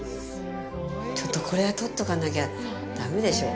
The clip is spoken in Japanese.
ちょっとこれは撮っとかなきゃだめでしょう。